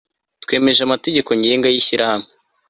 twemeje amategeko ngenga y'ishyirahamwe